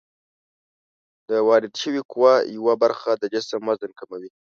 د واردې شوې قوې یوه برخه د جسم وزن کموي.